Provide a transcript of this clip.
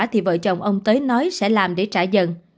thì vợ chồng ông tê nói sẽ làm đấy